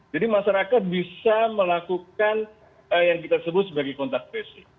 jadi masyarakat bisa melakukan yang kita sebut sebagai contact tracing